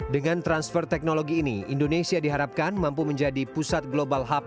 dengan transfer teknologi ini indonesia diharapkan mampu menjadi pusat global hub